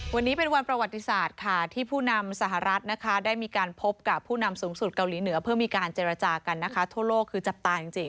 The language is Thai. วันนี้เป็นวันประวัติศาสตร์ค่ะที่ผู้นำสหรัฐนะคะได้มีการพบกับผู้นำสูงสุดเกาหลีเหนือเพื่อมีการเจรจากันนะคะทั่วโลกคือจับตาจริง